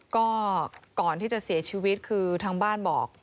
ก็ก่อนที่จะเสียชีวิตคือทางบ้านบอก